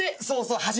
そうそう。